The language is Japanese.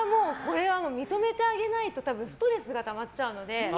認めてあげないとストレスがたまっちゃうので。